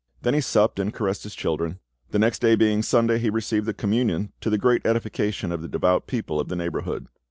Then he supped, and caressed his children. The next day being Sunday, he received the communion, to the great edification of the devout people of the neighbourhood.